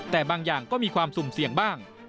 แต่บางอย่างก็มีความสุ่มเสี่ยงบ้าง